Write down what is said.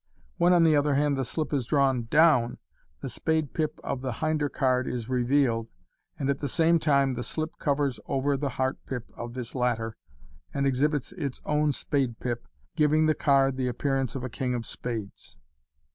When, on the other hand, the slip is drawn down, the spade pip of the hinder card is revealed, and at the same time the slip covers over the heart pip of this latter, and exhibits its own spade pip, giving the card the appearance of a king of spades.